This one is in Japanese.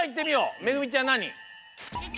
めぐみちゃんなに？